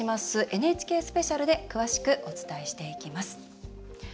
ＮＨＫスペシャルで詳しくお伝えしていきます。